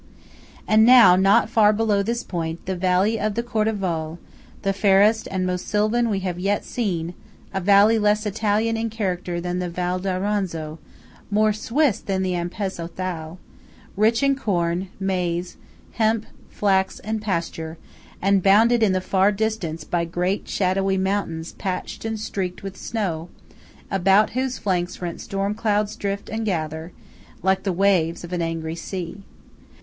And now, not far below this point, the valley of the Cordevole–the fairest and most sylvan we have yet seen; a valley less Italian in character than the Val D'Auronzo, more Swiss than the Ampezzo Thal; rich in corn, maize, hemp, flax and pasture; and bounded in the far distance by great shadowy mountains patched and streaked with snow, about whose flanks rent storm clouds drift and gather, like the waves of an angry sea.